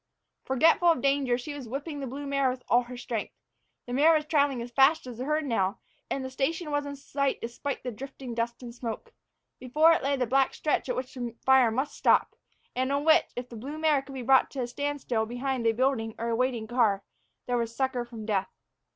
Forgetful of danger, she was whipping the blue mare with all her strength. The mare was traveling as fast as the herd now, and the station was in sight despite the drifting dust and smoke. Before it lay the black stretch at which the fire must stop, and on which, if the blue mare could be brought to a standstill behind a building or a waiting car, there was succor from death.